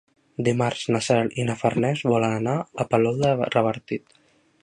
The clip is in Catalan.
Dimarts na Cel i na Farners volen anar a Palol de Revardit.